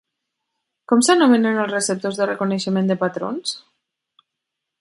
Com s'anomenen els receptors de reconeixement de patrons?